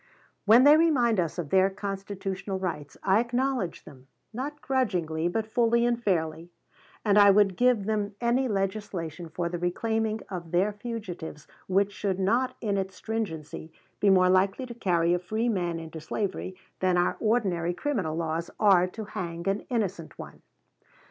"When they remind us of their constitutional rights, I acknowledge them, not grudgingly, but fully and fairly; and I would give them any legislation for the reclaiming of their fugitives which should not, in its stringency, be more likely to carry a free man into slavery than our ordinary criminal laws are to hang an innocent one.